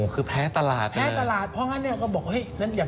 คือแพ้ตลาดเลย